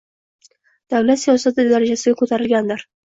Davlat siyosati darajasiga ko‘tarilgandir.